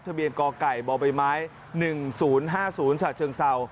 ทะเบียนกกบม๑๐๕๐ชเชิงเซา